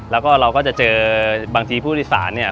แล้วก็จะเจอบางทีผู้ผู้ทฤษานเนี่ย